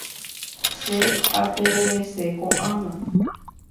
Che atererese ko'ág̃a.